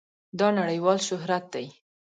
دا نړېوال شهرت دی.